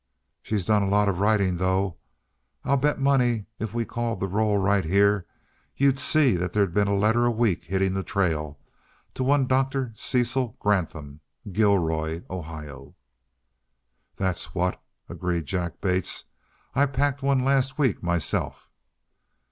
"She's doing a lot of writing, though. I'll bet money, if we called the roll right here, you'd see there's been a letter a week hittin' the trail to one Dr. Cecil Granthum, Gilroy, Ohio." "That's what," agreed Jack Bates. "I packed one last week, myself."